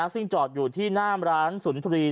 ซึ่งจอดอยู่ที่น่ามร้านศูนย์ธุรี